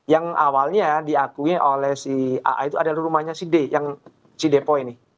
yang awalnya diakui oleh si aa itu adalah rumahnya si depoy